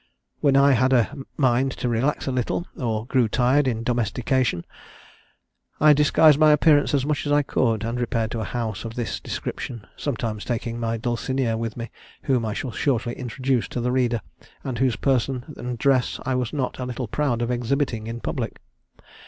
When I had a mind to relax a little, or grew tired of domestication, I disguised my appearance as much as I could, and repaired to a house of this description, sometimes taking my Dulcinea with me, whom I shall shortly introduce to the reader, and whose person and dress I was not a little proud of exhibiting in public.